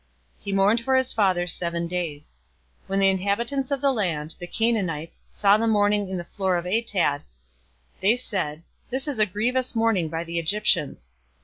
He mourned for his father seven days. 050:011 When the inhabitants of the land, the Canaanites, saw the mourning in the floor of Atad, they said, "This is a grievous mourning by the Egyptians."